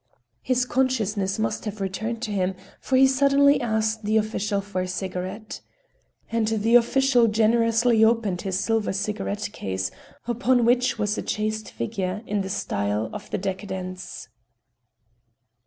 His consciousness must have returned to him, for he suddenly asked the official for a cigarette. And the official generously opened his silver cigarette case upon which was a chased figure in the style of the decadents.